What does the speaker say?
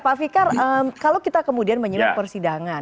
pak fikar kalau kita kemudian menyelip persidangan